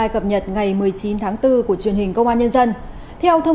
cảm ơn các bạn đã theo dõi